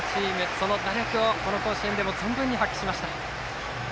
その打力をこの甲子園でも存分に発揮しました。